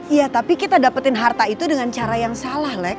iya tapi kita dapetin harta itu dengan cara yang salah lek